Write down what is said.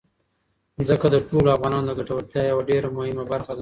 ځمکه د ټولو افغانانو د ګټورتیا یوه ډېره مهمه برخه ده.